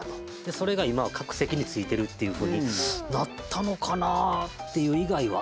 それが今は各席に付いているっていうふうになったのかなっていう以外は。